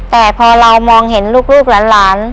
แต่พอเรามองเห็นลูกหลาน